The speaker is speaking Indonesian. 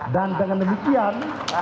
dan dengan demikian